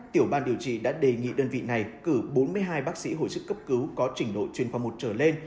tiểu ban điều trị đã đề nghị đơn vị này cử bốn mươi hai bác sĩ hồi sức cấp cứu có trình độ chuyên khoa một trở lên